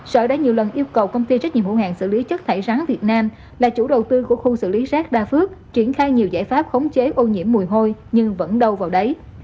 sở đã nhiều lần yêu cầu công ty trách nhiệm hữu hàng xử lý chất thải rắn việt nam là chủ đầu tư của khu xử lý rác đa phước triển khai nhiều giải pháp khống chế ô nhiễm mùi hôi nhưng vẫn đâu vào đấy